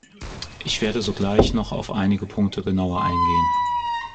Ich werde sogleich noch auf einige Punkte genauer eingehen.